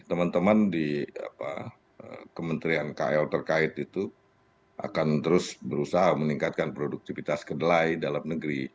teman teman di kementerian kl terkait itu akan terus berusaha meningkatkan produktivitas kedelai dalam negeri